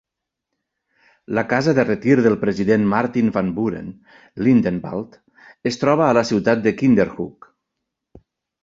La casa de retir del president Martin Van Buren, Lindenwald, es troba a la ciutat de Kinderhook.